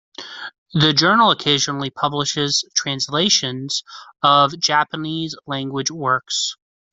The journal occasionally publishes translations of Japanese language works.